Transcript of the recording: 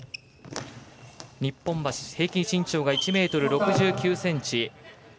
日本は平均身長が１ｍ６９ｃｍ。